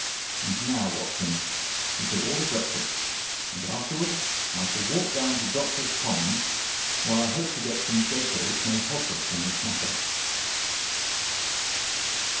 And now, Watson, we shall order breakfast, and afterwards I shall walk down to Doctors' Commons, where I hope to get some data which may help us in this matter."